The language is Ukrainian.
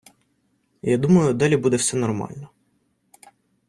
Я думаю, далі буде все нормально.